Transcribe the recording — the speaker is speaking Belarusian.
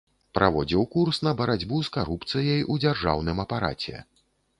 Праводзіў курс на барацьбу з карупцыяй у дзяржаўным апараце.